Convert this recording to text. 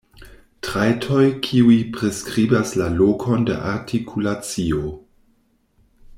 Trajtoj kiuj priskribas la lokon de artikulacio.